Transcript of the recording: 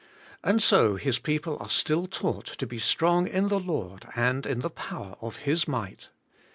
And so His people are still taught to be strong in the Lord and in the power of His might.